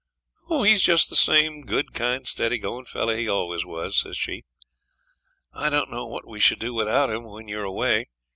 'Oh! he's just the same good, kind, steady going fellow he always was,' says she. 'I don't know what we should do without him when you're away.